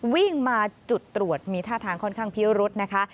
วิ่งมาจุดตรวจมีท่าทางค่อนข้างเพี้ยรุดนะคะ